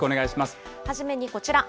初めにこちら。